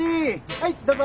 はいどうぞ。